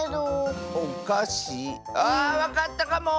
あわかったかも！